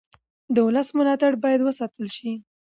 د ولس ملاتړ باید وساتل شي